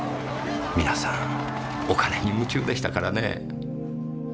皆さんお金に夢中でしたからね。